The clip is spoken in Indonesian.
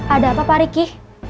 ada apa pak riki